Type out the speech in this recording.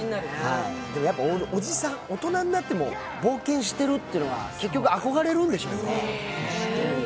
おじさん、大人になっても冒険しているというのは、結局憧れるんでしょうね。